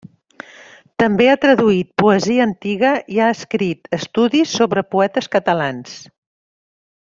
També ha traduït poesia antiga i ha escrit estudis sobre poetes catalans.